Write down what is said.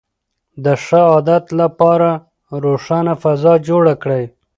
د ښه عادت لپاره روښانه فضا جوړه کړئ.